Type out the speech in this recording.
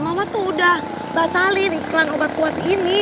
mama tuh udah batalin iklan obat kuat ini